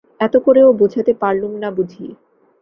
এত করেও বোঝাতে পারলুম না বুঝি।